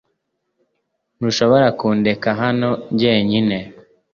Ntushobora kundeka hano jyenyine .